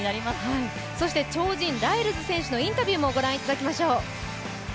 そして超人ライルズ選手のインタビューもご覧いただきましょう。